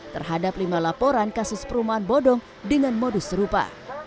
terhadap lima laporan kasus perumahan bodong dengan modus serupa